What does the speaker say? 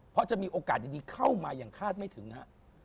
เพราะจะมีโอกาสดีเข้ามาอย่างคาดไม่ถึงฮะ